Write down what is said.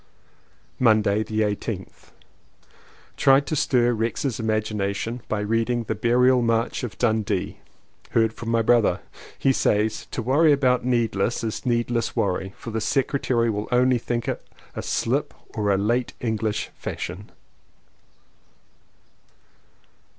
Monday the 18th. Tried to stir Rex's imagination by reading The Burial March of Dundee. Heard from my brother; he says: "To worry about 'neadless' is needless worry, for the Secretary will only think it a slip or a late English fashion!"